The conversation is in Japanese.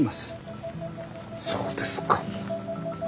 そうですか。